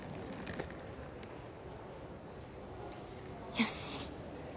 よし！